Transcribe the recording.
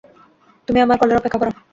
তুমি আমার কলের অপেক্ষা কর।